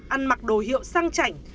ăn mặc đồ hiệu sang chảnh